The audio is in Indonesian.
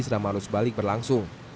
serama harus balik berlangsung